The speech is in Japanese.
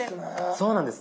そうなんです。